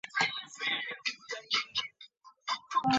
敏象王国。